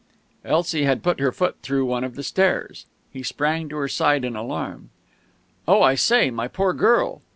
Elsie had put her foot through one of the stairs. He sprang to her side in alarm. "Oh, I say! My poor girl!"